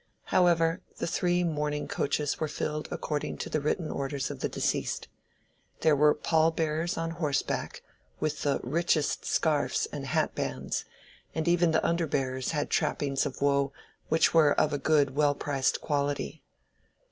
However, the three mourning coaches were filled according to the written orders of the deceased. There were pall bearers on horseback, with the richest scarfs and hatbands, and even the under bearers had trappings of woe which were of a good well priced quality.